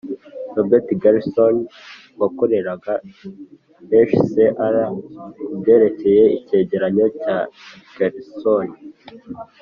robert gersony wakoreraga hcr ku byerekeye icyegeranyo cya gersony